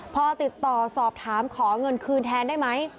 พอติดต่อสอบถามขอเงินคืนแทนได้ไหม